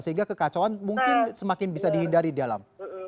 sehingga kekacauan mungkin semakin bisa dihindari dalam